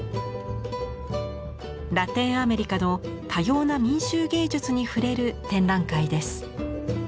ラテンアメリカの多様な民衆芸術に触れる展覧会です。